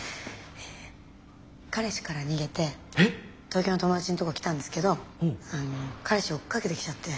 東京の友達のとこ来たんですけど彼氏追っかけてきちゃって。